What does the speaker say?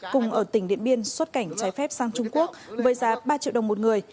cùng ở tỉnh điện biên xuất cảnh trái phép sang trung quốc với giá ba triệu đồng một người